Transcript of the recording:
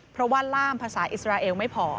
เพราะว่าล่ามภาษาอิสราเอลไม่พอ